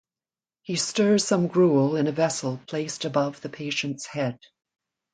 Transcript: He stirs some gruel in a vessel placed above the patient's head.